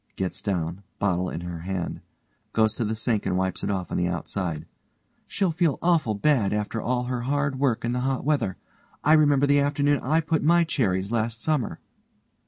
(gets down, bottle in her hand. Goes to the sink and wipes it off on the outside) She'll feel awful bad after all her hard work in the hot weather. I remember the afternoon I put up my cherries last summer.